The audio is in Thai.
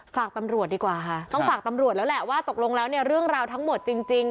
ฝากตำรวจดีกว่าค่ะต้องฝากตำรวจแล้วแหละว่าตกลงแล้วเนี่ยเรื่องราวทั้งหมดจริง